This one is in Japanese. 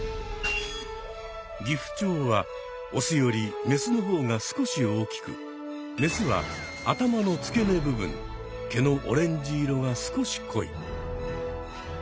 ギフチョウはオスよりメスの方が少し大きくメスは頭の付け根部分毛のオレンジ色が少し濃い。